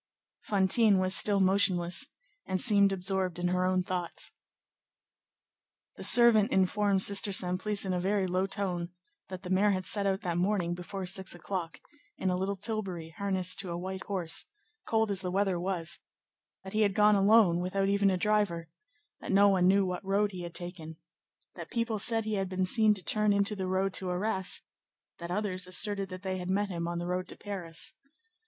Fantine was still motionless and seemed absorbed in her own thoughts. The servant informed Sister Simplice in a very low tone, that the mayor had set out that morning before six o'clock, in a little tilbury harnessed to a white horse, cold as the weather was; that he had gone alone, without even a driver; that no one knew what road he had taken; that people said he had been seen to turn into the road to Arras; that others asserted that they had met him on the road to Paris.